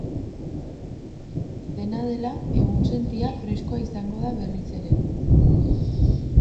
Dena dela, egunsentia freskoa izango da berriz ere.